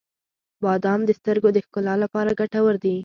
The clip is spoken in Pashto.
• بادام د سترګو د ښکلا لپاره ګټور دي.